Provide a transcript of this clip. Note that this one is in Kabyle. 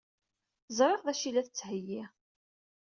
Ẓriɣ d acu ay la d-tettheyyi.